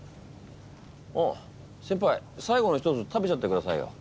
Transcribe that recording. あっ先輩最後の一つ食べちゃってくださいよ。